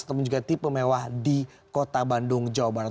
ataupun juga tipe mewah di kota bandung jawa barat